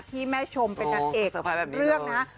ที่แม่ชมเป็นนักเอกเลือกนะครับ